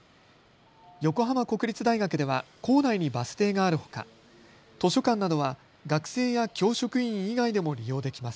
横浜国立大学では構内にバス停があるほか図書館などは学生や教職員以外でも利用できます。